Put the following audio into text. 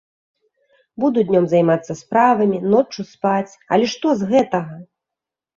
Буду днём займацца справамі, ноччу спаць, але што з гэтага?